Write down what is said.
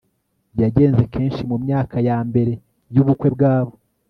yagenze kenshi mumyaka yambere yubukwe bwabo